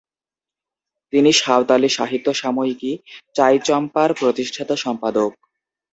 তিনি সাঁওতালি সাহিত্য সাময়িকী "চাই চম্পা" র প্রতিষ্ঠাতা সম্পাদক।